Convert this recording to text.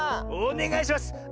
おねがいします。